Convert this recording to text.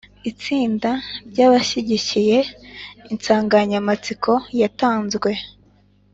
itsinda ry’abashyigikiye insanganyamatsiko yatanzwe,